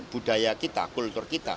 budaya kita kultur kita